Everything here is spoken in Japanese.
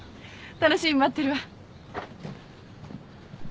楽しみに待ってるわ。